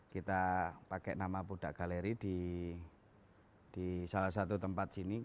kita pakai nama pudak galeri di salah satu tempat sini